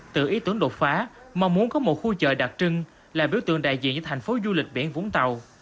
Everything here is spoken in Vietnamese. tự ý tưởng đột phá mong muốn có một khu chợ đặc trưng là biểu tượng đại diện cho thành phố du lịch biển vũng tàu